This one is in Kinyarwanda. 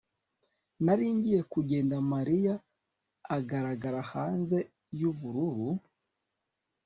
Nari ngiye kugenda Mariya agaragara hanze yubururu